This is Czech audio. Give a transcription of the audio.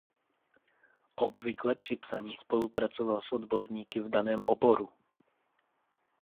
Obvykle při psaní spolupracoval s odborníky v daném oboru.